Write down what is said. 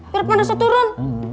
kirip kan rasa turun